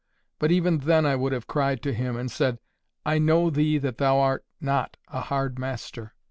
But even then I would have cried to Him, and said, "I know Thee that Thou art NOT a hard master."